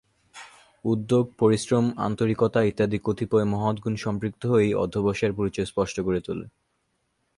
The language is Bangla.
উদ্যোগ, পরিশ্রম, আন্তরিকতা ইত্যাদি কতিপয় মহৎ গুণ সম্পৃক্ত হয়েই অধ্যবসায়ের পরিচয় স্পষ্ট করে তোলে।